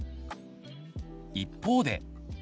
一方で。